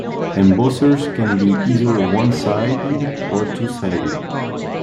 Embossers can be either one-sided or two-sided.